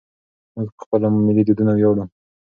موږ په خپلو ملي دودونو ویاړو.